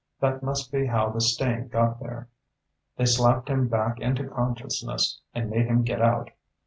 That must be how the stain got there. They slapped him back into consciousness and made him get out.